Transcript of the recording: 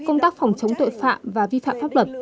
công tác phòng chống tội phạm và vi phạm pháp luật